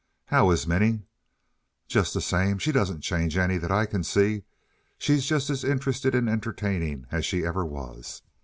"How is Minnie?" "Just the same. She doesn't change any that I can see. She's just as interested in entertaining as she ever was."